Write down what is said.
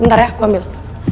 bentar ya gue ambil